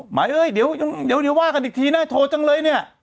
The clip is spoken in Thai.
หมายเอ้ยเดี๋ยวว่ากันอีกทีน่าโทรจังเลยเนี่ย